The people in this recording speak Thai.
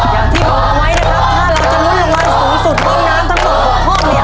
อย่างที่บอกเอาไว้นะครับถ้าเราจะลุ้นรางวัลสูงสุดห้องน้ำทั้งหมด๖ห้องเนี่ย